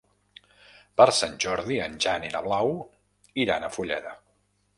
Per Sant Jordi en Jan i na Blau iran a Fulleda.